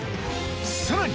さらに